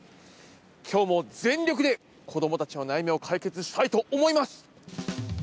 きょうも全力で、子どもたちの悩みを解決したいと思います。